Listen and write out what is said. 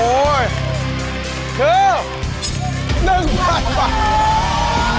โอ้โหยคือ๑๐๐๐บาท